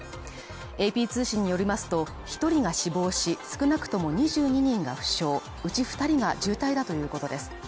ＡＰ通信によりますと、１人が死亡し、少なくとも２２人が負傷、うち２人が重体だということです。